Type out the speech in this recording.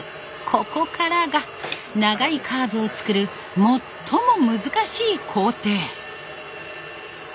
ここからが長いカーブを作る最も難しい工程。